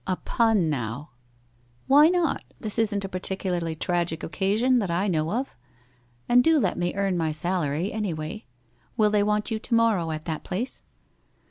'( A pun, now !' 'Why not? Tins isn't a particularly tragic oc <;iHon, that I know of? And do lot me earn my salary, anyway. Will they want you to morrow at that place?'